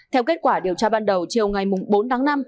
theo kết quả điều tra ban đầu chiều ngày bốn tháng năm